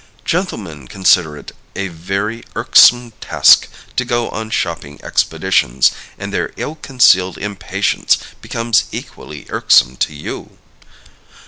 Gentlemen consider it a very irksome task to go on shopping expeditions, and their ill concealed impatience becomes equally irksome to you.